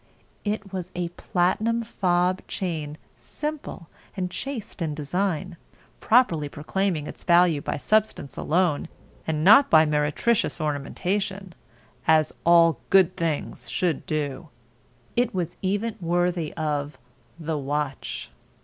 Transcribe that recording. It was a platinum fob chain simple and chaste in design, properly proclaiming its value by substance alone and not by meretricious ornamentation—as all good things should do. It was even worthy of The Watch.